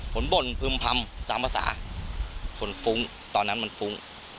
ผมบ่นพึมพรรมจำภาษาผมฟุ้งตอนนั้นมันฟุ้ง